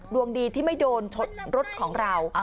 ดวงดีที่ไม่โดนรถของเรา